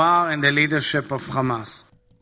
dengan sinoir dan pemimpin hamas